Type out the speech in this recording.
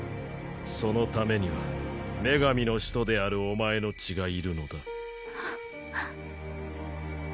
そのためには女神の使途であるお前の血がいるのだ。